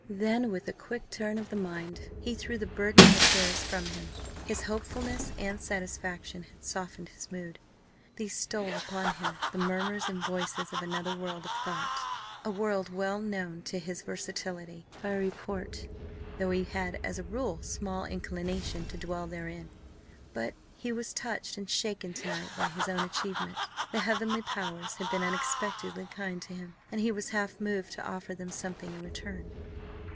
Then, with a quick turn of the mind, he threw the burden of affairs from him. His very hopefulness and satisfaction had softened his mood. There stole upon him the murmurs and voices of another world of thought a world well known to his versatility by report, though he had as a rule small inclination to dwell therein. But he was touched and shaken to night by his own achievement. The heavenly powers had been unexpectedly kind to him, and he was half moved to offer them something in return.